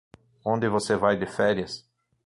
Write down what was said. Onde você vai de férias?